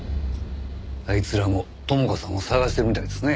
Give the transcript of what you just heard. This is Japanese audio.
あいつらも朋香さんを捜してるみたいですね。